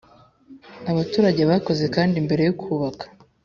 abaturage bakoze kandi mbere yo kubaka